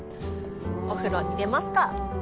お風呂入れますか！